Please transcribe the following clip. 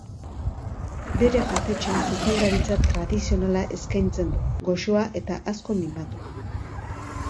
Bere jatetxean sukaldaritza tradizionala eskaintzen du, goxoa eta asko mimatua.